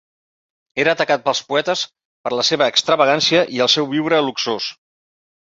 Era atacat pels poetes per la seva extravagància i el seu viure luxós.